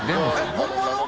本物？